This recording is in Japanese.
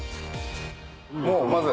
もうまず。